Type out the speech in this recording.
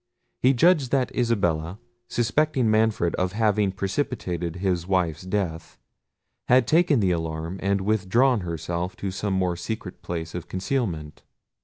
He judged that Isabella, suspecting Manfred of having precipitated his wife's death, had taken the alarm, and withdrawn herself to some more secret place of concealment.